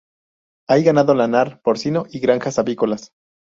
Hay ganado lanar, porcino y granjas avícolas.